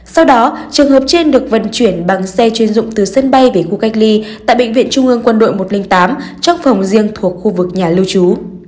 sau đó trường hợp trên được vận chuyển bằng xe chuyên dụng từ sân bay về khu cách ly tại bệnh viện trung ương quân đội một trăm linh tám trong phòng riêng thuộc khu vực nhà lưu trú